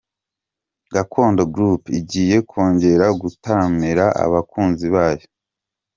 Gakondo Group igiye kongera gutaramira abakunzi bayo.